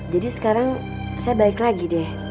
sekarang saya balik lagi deh